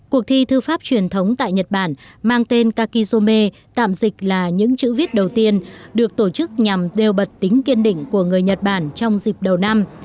cuộc thi thư pháp truyền thống tại nhật bản mang tên kakisome tạm dịch là những chữ viết đầu tiên được tổ chức nhằm đều bật tính kiên định của người nhật bản trong dịp đầu năm